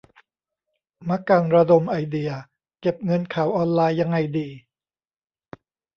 มะกันระดมไอเดีย "เก็บเงินข่าวออนไลน์"ยังไงดี ?